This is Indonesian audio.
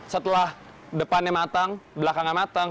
setelah depannya matang belakangnya matang